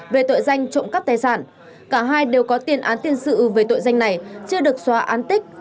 về tội danh trộm cắp tài sản cả hai đều có tiền án tiền sự về tội danh này chưa được xóa án tích